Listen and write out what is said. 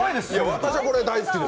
私はこれ、大好きです。